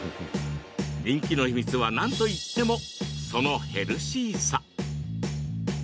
人気の秘密は、なんといってもそのヘルシーさ。